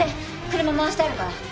車回してあるから。